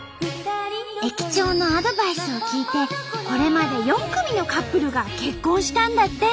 駅長のアドバイスを聞いてこれまで４組のカップルが結婚したんだって。